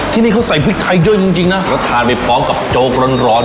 ที่นี่เขาใส่พริกไทยเยอะจริงจริงนะแล้วทานไปพร้อมกับโจ๊กร้อน